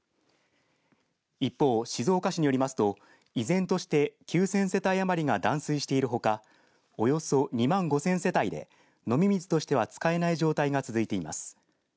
一方、静岡市によりますと依然として９０００世帯余りが断水しているほかおよそ２万５０００世帯で飲み水としては使えない状態が続いています。